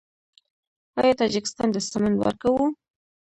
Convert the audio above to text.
آیا تاجکستان ته سمنټ ورکوو؟